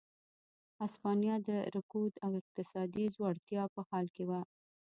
هسپانیا د رکود او اقتصادي ځوړتیا په حال کې وه.